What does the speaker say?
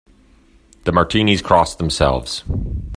The Martinis cross themselves.